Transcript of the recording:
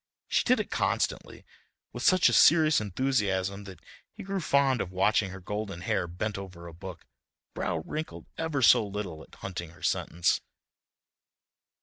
She did it constantly, with such a serious enthusiasm that he grew fond of watching her golden hair bent over a book, brow wrinkled ever so little at hunting her sentence.